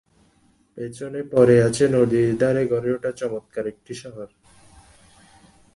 পেছনে পড়ে আছে নদীর ধারে গড়ে-ওঠা চমৎকার একটি শহর।